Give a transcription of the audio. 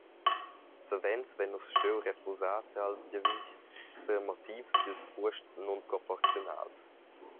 Savens vein nus stuiu refusar tals giavischs per motivs dils cuosts nunproporziunals.